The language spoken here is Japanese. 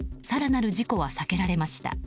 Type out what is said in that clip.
更なる事故は避けられました。